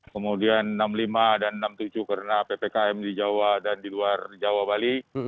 kemudian enam puluh lima dan enam puluh tujuh karena ppkm di jawa dan di luar jawa bali